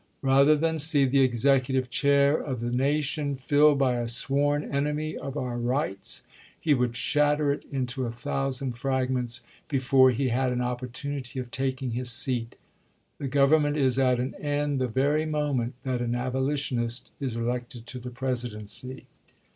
Rather than see the Executive chair of the nation filled "by a sworn enemy of our rights, he would shatter it into a thousand fragments before he had an opportunity of taking his seat. .. The Government is at an end the very moment that an abolitionist is elected to the Presidency.